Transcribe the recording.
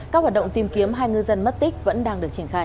các hoạt động tìm kiếm hai ngư dân mất tích vẫn đang được triển khai